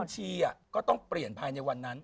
ก็ต้องเปลี่ยนภายในวันนั้น